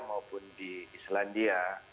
maupun di indonesia